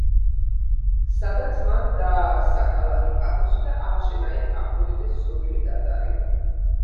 სადაც მან დააარსა ქალაქი პაფოსი და ააშენა იქ აფროდიტეს ცნობილი ტაძარი.